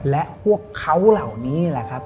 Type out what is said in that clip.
และพวกเขาเหล่านี้แหละครับ